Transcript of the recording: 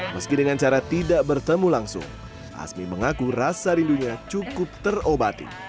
meski dengan cara tidak bertemu langsung asmi mengaku rasa rindunya cukup terobati